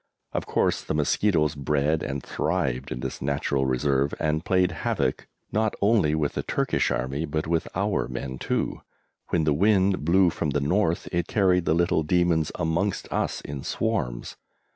Of course the mosquitoes bred and thrived in this natural reserve, and played havoc, not only with the Turkish Army, but with our men too; when the wind blew from the north it carried the little demons amongst us in swarms.